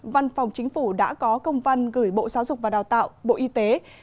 văn phòng chính phủ đã có công văn gửi bộ giáo dục và đào tạo bộ y tế